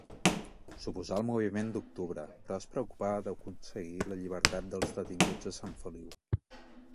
S'oposà al moviment d'octubre, però es preocupà d'aconseguir la llibertat dels detinguts a Sant Feliu.